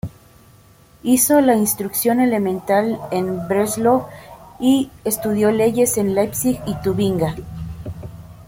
Hizo la instrucción elemental en Breslau y estudió leyes en Leipzig y Tubinga.